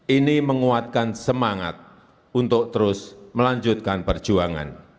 ini menguatkan semangat untuk terus melanjutkan perjuangan